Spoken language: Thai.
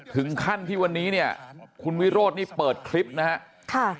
ถึงขั้นที่วันนี้เนี่ยคุณวิโรธนี่เปิดคลิปนะครับ